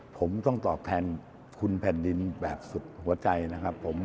ผมต้องตอบแทนคุณแผ่นดินแบบสุดหัวใจนะครับผม